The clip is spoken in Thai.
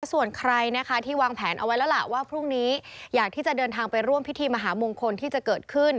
ส่วนใครนะคะที่วางแผนเอาไว้แล้วล่ะว่าพรุ่งนี้อยากที่จะเดินทางไปร่วมพิธีมหามงคลที่จะเกิดขึ้น